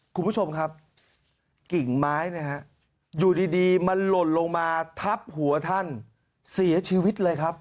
คุณผู้ชมครับกิ่งไม้เนี่ยฮะอยู่ดีมันหล่นลงมาทับหัวท่านเสียชีวิตเลยครับ